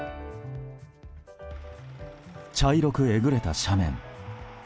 茶色くえぐれた斜面。